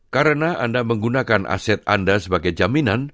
karena anda menggunakan aset anda sebagai jaminan